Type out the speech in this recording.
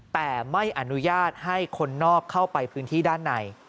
แต่ไม่อนุญาตให้คนนอกเข้าไปพื้นที่ด้านใน